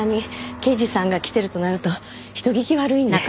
刑事さんが来てるとなると人聞き悪いんで。